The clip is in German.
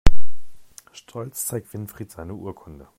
Stolz zeigt Winfried seine Urkunde.